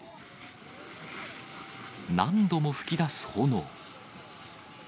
何度も噴き出す炎。